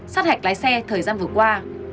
sát hạch lái xe thời gian vừa qua